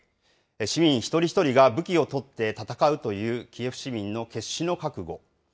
市民一人一人が武器を取って戦うというキエフ市民の決死の覚悟。